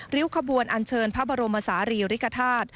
้วขบวนอันเชิญพระบรมศาลีริกฐาตุ